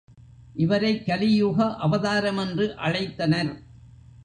இவரைக் கலியுக அவதாரமென்று அழைத்தனர்.